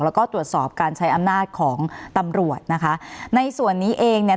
แล้วก็ตรวจสอบการใช้อำนาจของตำรวจนะคะในส่วนนี้เองเนี่ย